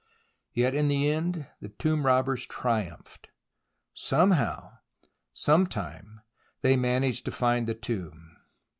Yet in the end the tomb robbers triumphed. Some how, sometime, they managed to find the tomb.